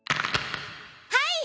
はい！